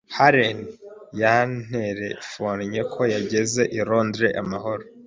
Helen yanterefonnye ko yageze i Londres amahoro.